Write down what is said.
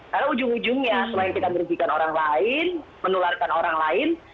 karena ujung ujungnya selain kita menerjikan orang lain menularkan orang lain